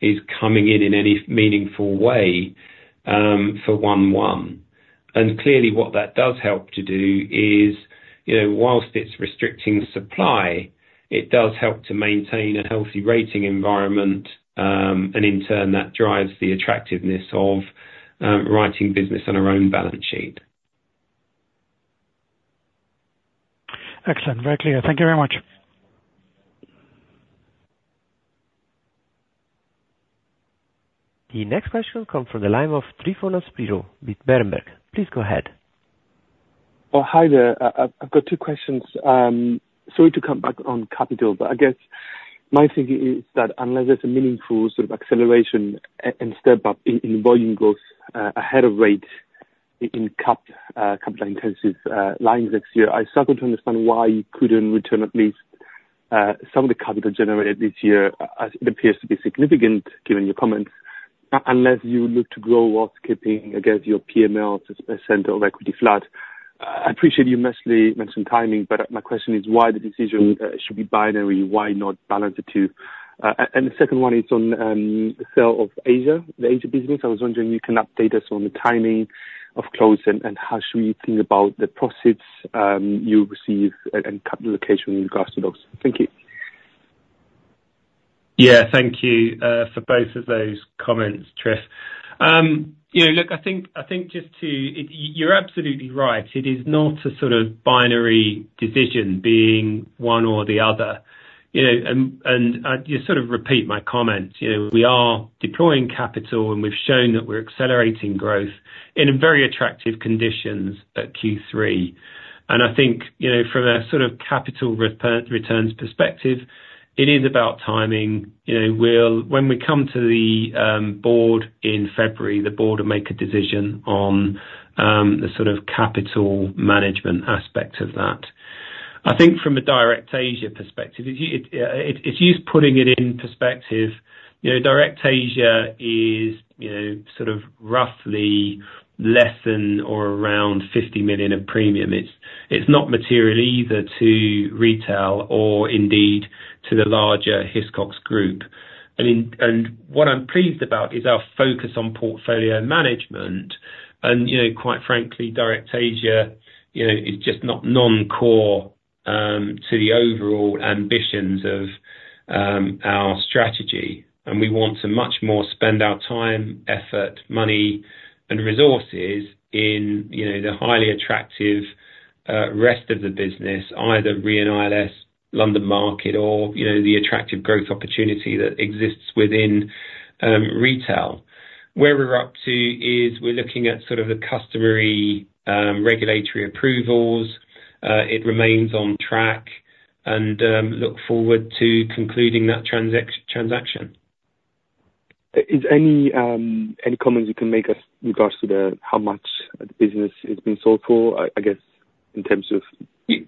is coming in in any meaningful way, for one. And clearly what that does help to do is, you know, whilst it's restricting supply, it does help to maintain a healthy rating environment, and in turn, that drives the attractiveness of writing business on our own balance sheet. Excellent. Very clear. Thank you very much. The next question comes from the line of Tryfonas Spyrou with Berenberg. Please go ahead. Well, hi there. I've got two questions. Sorry to come back on capital, but I guess my thinking is that unless there's a meaningful sort of acceleration and step up in volume growth ahead of rate in capital intensive lines next year, I struggle to understand why you couldn't return at least some of the capital generated this year, as it appears to be significant, given your comments, unless you look to grow while keeping against your PML to 2% of equity flat. I appreciate you mostly mentioned timing, but my question is why the decision should be binary? Why not balance the two? And the second one is on the sale of Asia, the Asia business. I was wondering if you can update us on the timing of closing, and how should we think about the proceeds you receive and capitalization with regards to those? Thank you. Yeah, thank you for both of those comments, Tris. You know, look, I think, I think just to... You're absolutely right. It is not a sort of binary decision being one or the other. You know, and, and, you sort of repeat my comments. You know, we are deploying capital, and we've shown that we're accelerating growth in a very attractive conditions at Q3. And I think, you know, from a sort of capital returns perspective, it is about timing. You know, we'll when we come to the board in February, the board will make a decision on, the sort of capital management aspect of that. I think from a DirectAsia perspective, it, it's just putting it in perspective. You know, DirectAsia is, you know, sort of roughly less than or around $50 million in premium. It's not material either to retail or indeed to the larger Hiscox group. And what I'm pleased about is our focus on portfolio management. And, you know, quite frankly, DirectAsia, you know, is just not non-core to the overall ambitions of our strategy. And we want to much more spend our time, effort, money and resources in, you know, the highly attractive rest of the business, either Re & ILS, London market, or, you know, the attractive growth opportunity that exists within retail. Where we're up to is, we're looking at sort of the customary regulatory approvals. It remains on track and look forward to concluding that transaction. Any comments you can make as regards to how much the business has been sold for, I guess, in terms of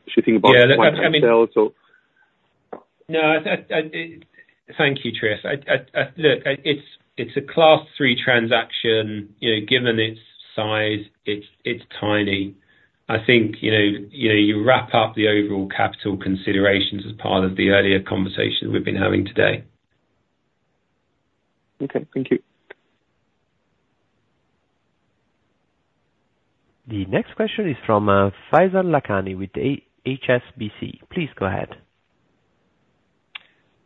shifting about? Yeah. sell, so. No, I thank you, Tris. I look, it's a class three transaction. You know, given its size, it's tiny. I think, you know, you wrap up the overall capital considerations as part of the earlier conversation we've been having today. Okay, thank you. The next question is from Faizan Lakhani with HSBC. Please go ahead.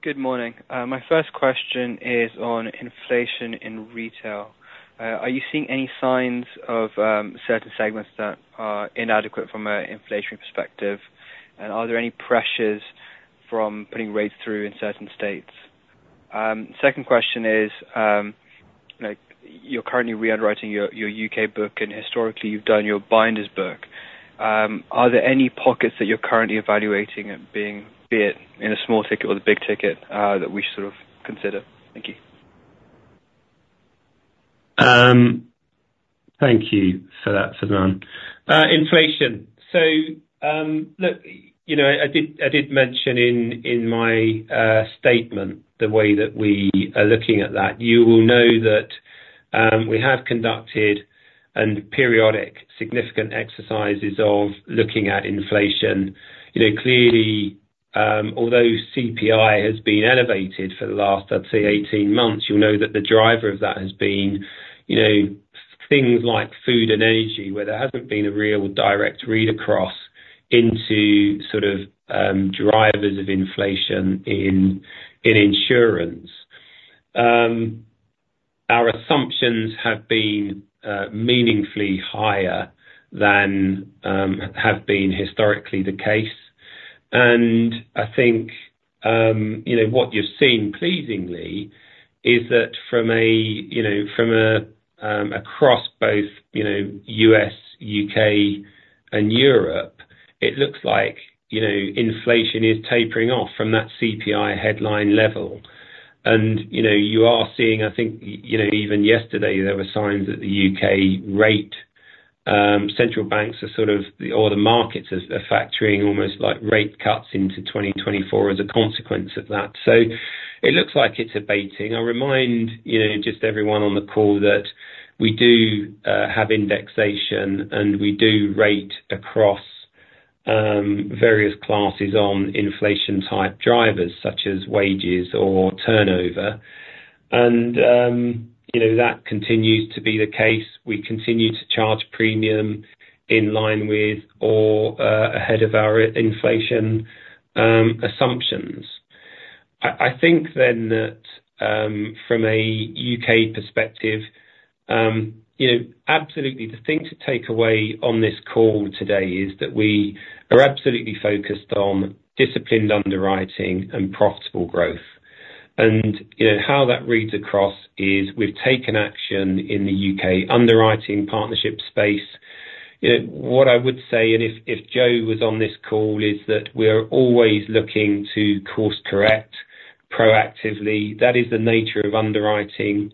Good morning. My first question is on inflation in retail. Are you seeing any signs of certain segments that are inadequate from an inflation perspective? And are there any pressures from putting rates through in certain states? Second question is, like, you're currently rewriting your U.K. book, and historically you've done your binders book. Are there any pockets that you're currently evaluating and being, be it in a small ticket or the big ticket, that we should sort of consider? Thank you. Thank you for that, Faizan. Inflation. So, look, you know, I did, I did mention in, in my, statement the way that we are looking at that. You will know that, we have conducted and periodic significant exercises of looking at inflation. You know, clearly, although CPI has been elevated for the last, I'd say 18 months, you'll know that the driver of that has been, you know, things like food and energy, where there hasn't been a real direct read across into sort of, drivers of inflation in, in insurance. Our assumptions have been, meaningfully higher than, have been historically the case. And I think, you know, what you're seeing pleasingly is that from a, you know, from a, across both, you know, U.S., U.K. and Europe, it looks like, you know, inflation is tapering off from that CPI headline level. And, you know, you are seeing, I think, you know, even yesterday there were signs that the U.K. rate, central banks are sort of... Or the markets are, are factoring almost like rate cuts into 2024 as a consequence of that. So it looks like it's abating. I'll remind, you know, just everyone on the call that we do, have indexation, and we do rate across, various classes on inflation type drivers such as wages or turnover. And, you know, that continues to be the case. We continue to charge premium in line with or, ahead of our inflation, assumptions. I think then that from a U.K. perspective, you know, absolutely the thing to take away on this call today is that we are absolutely focused on disciplined underwriting and profitable growth. And, you know, how that reads across is we've taken action in the U.K. underwriting partnership space. You know, what I would say, and if Joe was on this call, is that we're always looking to course correct proactively. That is the nature of underwriting.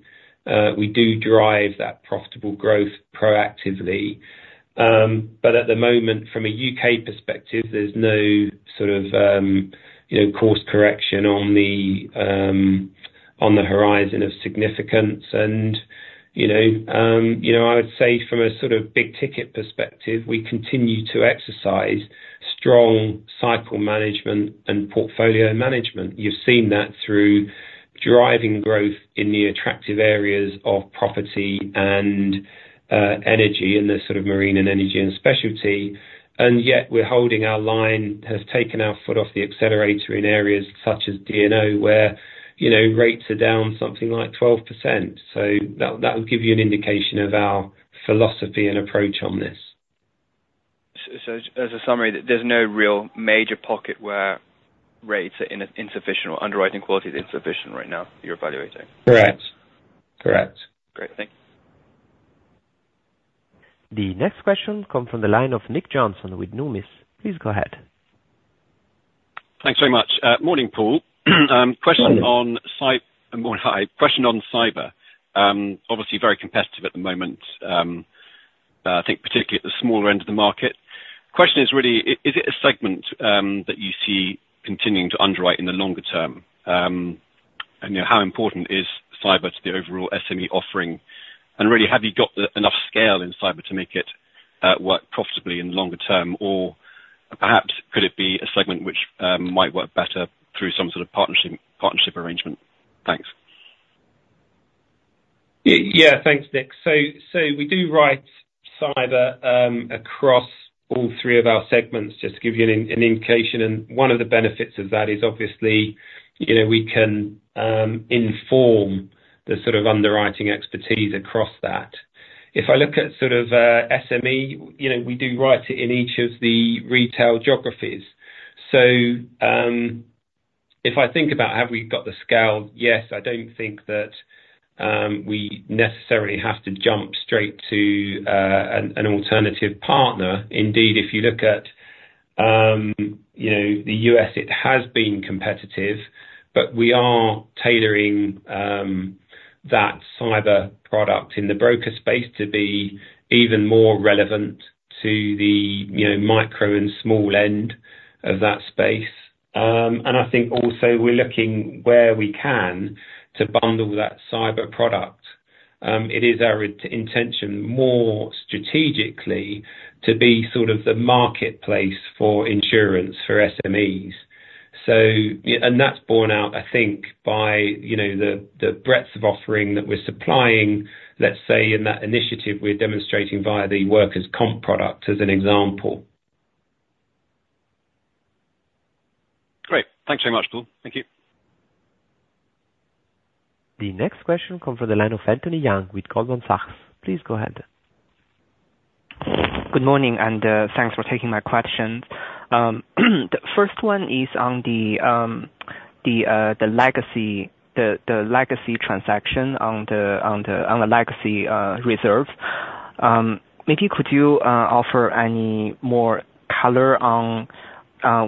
We do drive that profitable growth proactively. But at the moment, from a U.K. perspective, there's no sort of, you know, course correction on the horizon of significance. And, you know, I would say from a sort of big ticket perspective, we continue to exercise strong cycle management and portfolio management. You've seen that through driving growth in the attractive areas of property and energy, and the sort of marine and energy and specialty, and yet we're holding our line, have taken our foot off the accelerator in areas such as D&O, where, you know, rates are down something like 12%. So that, that will give you an indication of our philosophy and approach on this. So as a summary, there's no real major pocket where rates are insufficient or underwriting quality is insufficient right now, you're evaluating? Correct. Correct. Great, thank you. The next question comes from the line of Nick Johnson with Numis. Please go ahead. Thanks very much. Morning, Paul. Question on cyber. Obviously very competitive at the moment, but I think particularly at the smaller end of the market. Question is really, is it a segment that you see continuing to underwrite in the longer term? And, you know, how important is cyber to the overall SME offering? And really, have you got enough scale in cyber to make it work profitably in the longer term? Or perhaps could it be a segment which might work better through some sort of partnership arrangement? Thanks. Yeah. Thanks, Nick. So, we do write cyber across all three of our segments, just to give you an indication, and one of the benefits of that is obviously, you know, we can inform the sort of underwriting expertise across that. If I look at sort of SME, you know, we do write it in each of the retail geographies. So, if I think about have we got the scale? Yes, I don't think that we necessarily have to jump straight to an alternative partner. Indeed, if you look at you know, the U.S., it has been competitive, but we are tailoring that cyber product in the broker space to be even more relevant to the you know, micro and small end of that space. And I think also we're looking where we can to bundle that cyber product. It is our intention more strategically to be sort of the marketplace for insurance for SMEs. So, yeah, and that's borne out, I think, by, you know, the breadth of offering that we're supplying, let's say, in that initiative we're demonstrating via the workers' comp product, as an example. Great. Thanks so much, Paul. Thank you. The next question comes from the line of Anthony Young with Goldman Sachs. Please go ahead. Good morning, and thanks for taking my questions. The first one is on the legacy transaction on the legacy reserve. Maybe could you offer any more color on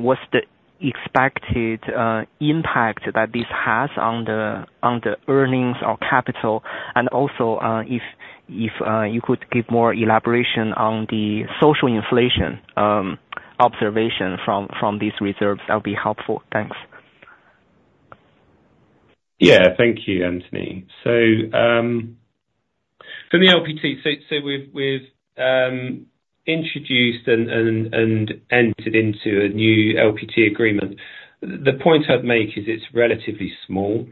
what's the expected impact that this has on the earnings or capital? And also, if you could give more elaboration on the social inflation observation from these reserves, that would be helpful. Thanks. Yeah, thank you, Anthony. So from the LPT, we've introduced and entered into a new LPT agreement. The point I'd make is it's relatively small.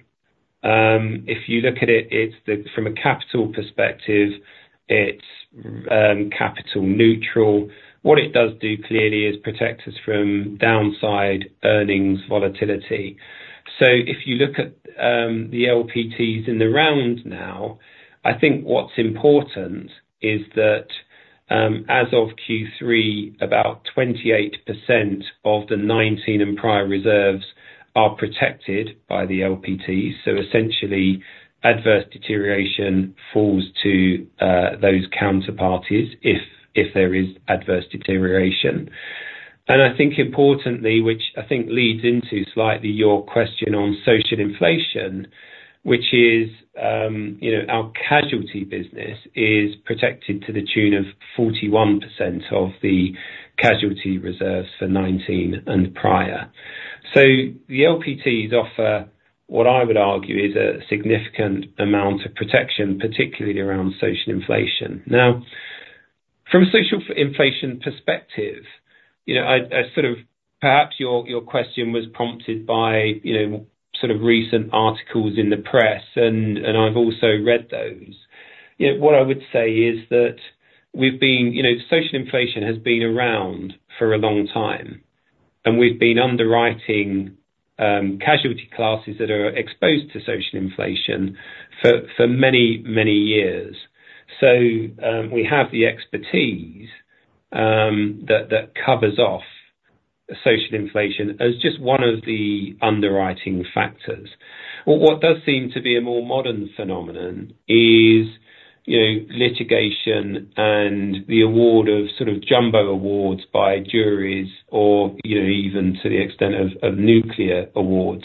If you look at it, it's the... From a capital perspective, it's capital neutral. What it does do clearly is protect us from downside earnings volatility. So if you look at the LPTs in the round now, I think what's important is that as of Q3, about 28% of the 2019 and prior reserves are protected by the LPT. So essentially, adverse deterioration falls to those counterparties if there is adverse deterioration. And I think importantly, which I think leads into slightly your question on social inflation, which is, you know, our casualty business is protected to the tune of 41% of the casualty reserves for 2019 and prior. So the LPTs offer, what I would argue, is a significant amount of protection, particularly around social inflation. Now, from a social inflation perspective, you know, I sort of perhaps your question was prompted by, you know, sort of recent articles in the press, and I've also read those. You know, what I would say is that we've been... You know, social inflation has been around for a long time, and we've been underwriting casualty classes that are exposed to social inflation for many, many years. So, we have the expertise that covers off social inflation as just one of the underwriting factors. What does seem to be a more modern phenomenon is, you know, litigation and the award of sort of jumbo awards by juries or, you know, even to the extent of nuclear awards.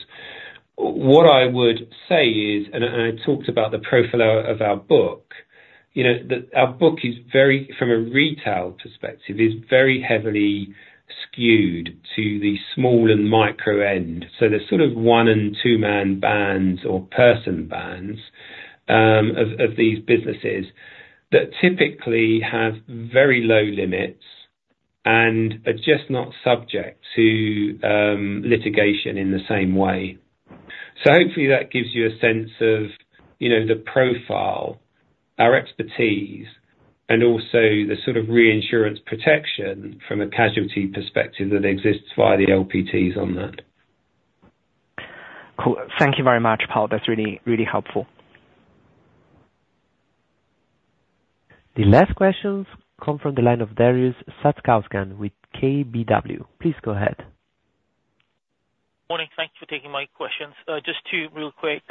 What I would say is, and I talked about the profile of our book, you know, that our book is very, from a retail perspective, is very heavily skewed to the small and micro end. So there's sort of one and two man bands or person bands, of these businesses that typically have very low limits and are just not subject to, litigation in the same way. So hopefully that gives you a sense of, you know, the profile, our expertise, and also the sort of reinsurance protection from a casualty perspective that exists via the LPTs on that. Cool. Thank you very much, Paul. That's really, really helpful. The last questions come from the line of Darius Satkauskas with KBW. Please go ahead. Morning. Thank you for taking my questions. Just two real quick.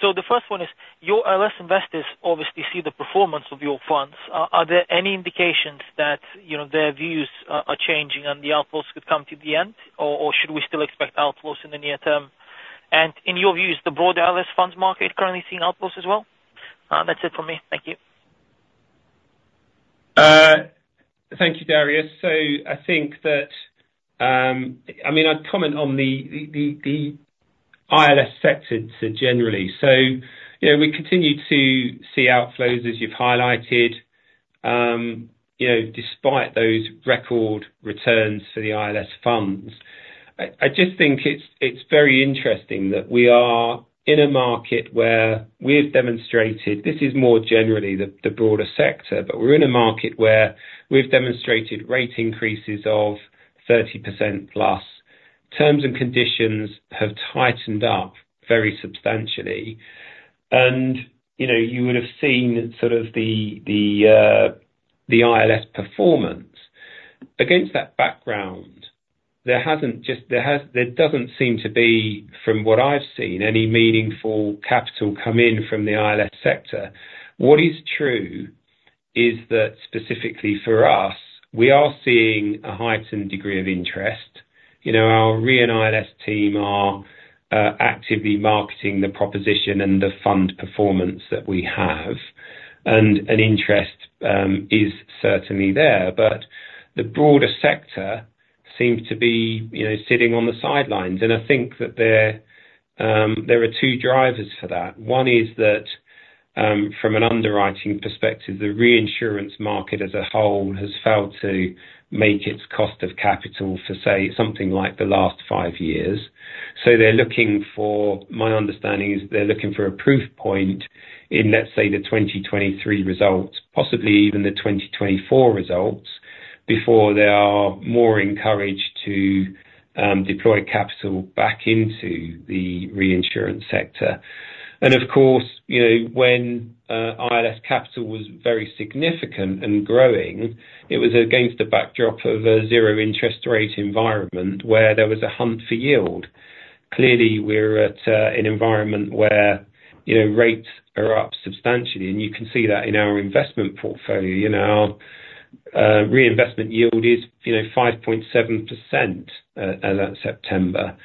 So the first one is, your ILS investors obviously see the performance of your funds. Are there any indications that, you know, their views are changing and the outflows could come to the end, or should we still expect outflows in the near term? And in your view, is the broader ILS funds market currently seeing outflows as well? That's it for me. Thank you. Thank you, Darius. So I think that, I mean, I'd comment on the ILS sector generally. So, you know, we continue to see outflows, as you've highlighted, you know, despite those record returns for the ILS funds. I just think it's very interesting that we are in a market where we have demonstrated this is more generally the broader sector, but we're in a market where we've demonstrated rate increases of 30%+. Terms and conditions have tightened up very substantially. And, you know, you would have seen sort of the ILS performance. Against that background, there doesn't seem to be, from what I've seen, any meaningful capital come in from the ILS sector. What is true is that specifically for us, we are seeing a heightened degree of interest. You know, our Re & ILS team are actively marketing the proposition and the fund performance that we have, and an interest is certainly there. But the broader sector seems to be, you know, sitting on the sidelines. And I think that there there are two drivers for that. One is that, from an underwriting perspective, the reinsurance market as a whole has failed to make its cost of capital for, say, something like the last five years. So they're looking for. My understanding is they're looking for a proof point in, let's say, the 2023 results, possibly even the 2024 results, before they are more encouraged to deploy capital back into the reinsurance sector. And of course, you know, when ILS capital was very significant and growing, it was against the backdrop of a zero interest rate environment, where there was a hunt for yield. Clearly, we're at an environment where, you know, rates are up substantially, and you can see that in our investment portfolio. You know, our reinvestment yield is, you know, 5.7% as at September.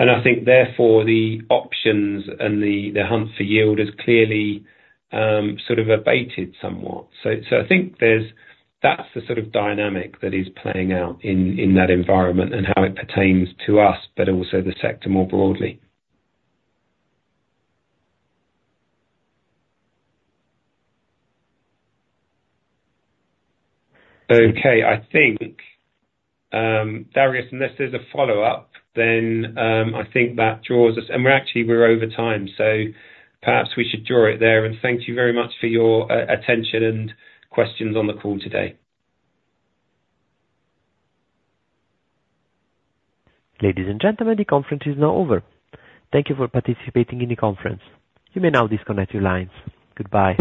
And I think, therefore, the options and the hunt for yield has clearly sort of abated somewhat. So I think there's- that's the sort of dynamic that is playing out in that environment and how it pertains to us, but also the sector more broadly. Okay. I think, Darius, unless there's a follow-up, then I think that draws us... And we're actually, we're over time, so perhaps we should draw it there Thank you very much for your attention and questions on the call today. Ladies and gentlemen, the conference is now over. Thank you for participating in the conference. You may now disconnect your lines. Goodbye.